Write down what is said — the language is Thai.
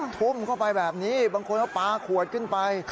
ทุ่มเข้าไปแบบนี้บางคนเขาปลาขวดขึ้นไป